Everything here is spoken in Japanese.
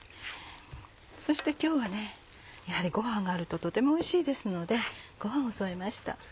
そして今日はやはりご飯があるととてもおいしいですのでご飯を添えました。